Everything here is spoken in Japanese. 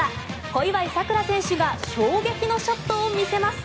小祝さくら選手が衝撃のショットを見せます。